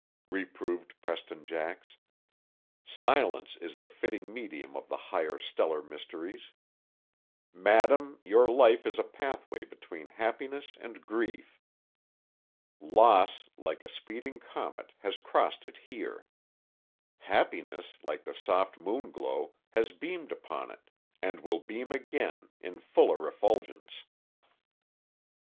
reproved Preston Jax. "Silence is the fitting medium of the higher stellar mysteries. Madam, your life is a pathway between happiness and grief. Loss, like a speeding comet, has crossed it here. Happiness, like the soft moon glow, has beamed upon it, and will again beam, in fuller effulgence."